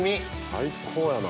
最高やな。